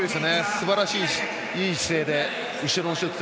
すばらしい、いい姿勢で後ろの。